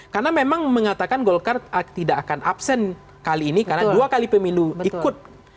karena memang mengatakan golkar tidak akan absen kali ini karena dua kali pemilu ikut